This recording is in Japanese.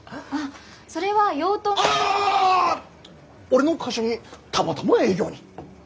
俺の会社にたまたま営業に。